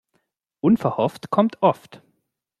Unverhofft kommt oft.